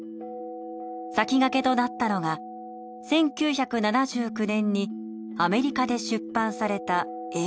先駆けとなったのが１９７９年にアメリカで出版された英語版です。